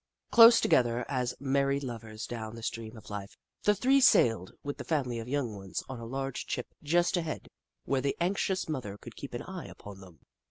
Close together, as mar ried lovers down the stream of life, the three sailed, with the family of young ones on a large chip just ahead, where the anxious mother could keep an eye upon them.